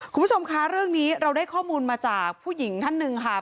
คุณผู้ชมคะเรื่องนี้เราได้ข้อมูลมาจากผู้หญิงท่านหนึ่งค่ะ